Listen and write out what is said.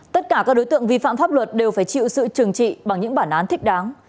tất cả các đối tượng vi phạm pháp luật đều phải chịu sự trừng trị bằng những bản án thích đáng